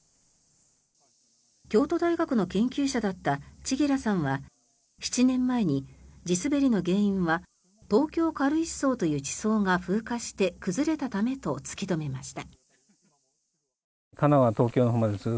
京都大学の研究者だった千木良さんは７年前に地滑りの原因は東京軽石層という地層が風化して崩れたためと突き止めました。